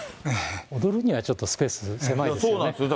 踊るにはちょっとスペース狭いんですよね。